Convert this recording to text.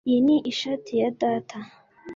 Iyi ni ishati ya data